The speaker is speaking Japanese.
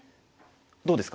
どうですか？